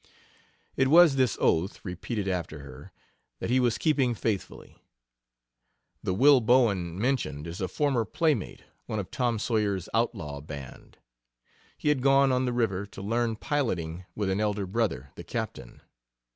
It was this oath, repeated after her, that he was keeping faithfully. The Will Bowen mentioned is a former playmate, one of Tom Sawyer's outlaw band. He had gone on the river to learn piloting with an elder brother, the "Captain."